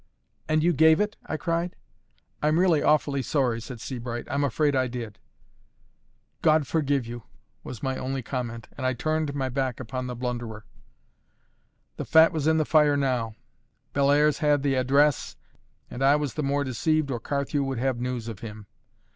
"And you gave it?" I cried. "I'm really awfully sorry," said Sebright. "I'm afraid I did." "God forgive you!" was my only comment, and I turned my back upon the blunderer. The fat was in the fire now: Bellairs had the address, and I was the more deceived or Carthew would have news of him.